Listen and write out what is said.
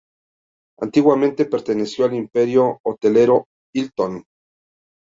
Antiguamente perteneció al imperio hotelero Hilton.